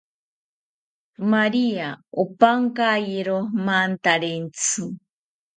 Maria opankayiro mantarentzi